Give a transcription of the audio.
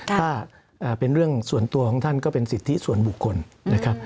ถ้าเป็นเรื่องส่วนตัวของท่านก็เป็นสิทธิส่วนบุคคลนะครับ